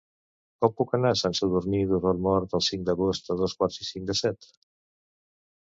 Com puc anar a Sant Sadurní d'Osormort el cinc d'agost a dos quarts i cinc de set?